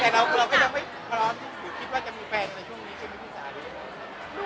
เคล็ดหรือเปล่าคะจิตราจากล่อปรากฐานที่ท่าน